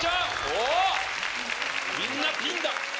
おっみんなピンだ。